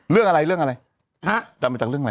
เรื่องอะไรเรื่องอะไรฮะจำมาจากเรื่องอะไร